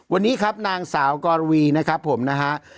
วันนี้ครับนางสาวกรวีนะครับผมนะฮะ